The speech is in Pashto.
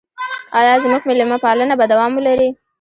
آیا زموږ میلمه پالنه به دوام ولري؟